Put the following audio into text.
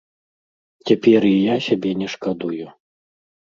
Цяпер і я сябе не шкадую.